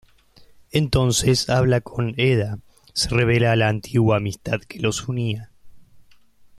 Entonces habla con Hedda; se revela la antigua amistad que los unía.